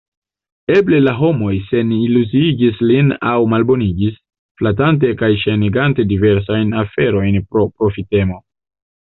Eble la homoj seniluziigis lin aŭ malbonigis, flatante kaj ŝajnigante diversajn aferojn pro profitemo.